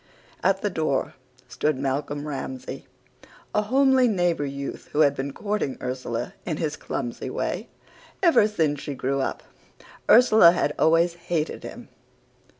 At the door stood Malcolm Ramsay, a homely neighbour youth who had been courting Ursula in his clumsy way ever since she grew up. Ursula had always hated him.